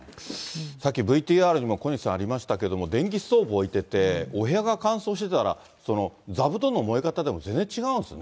さっきＶＴＲにも、小西さん、ありましたけども、電気ストーブ置いてて、お部屋が乾燥してたら、座布団の燃え方でも全然違うんですね。